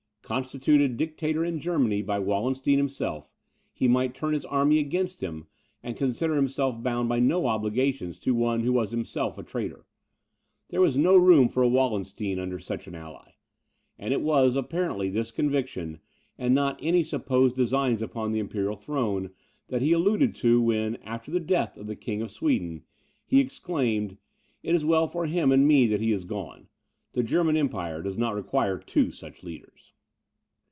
Constituted Dictator in Germany by Wallenstein himself, he might turn his arms against him, and consider himself bound by no obligations to one who was himself a traitor. There was no room for a Wallenstein under such an ally; and it was, apparently, this conviction, and not any supposed designs upon the imperial throne, that he alluded to, when, after the death of the King of Sweden, he exclaimed, "It is well for him and me that he is gone. The German Empire does not require two such leaders."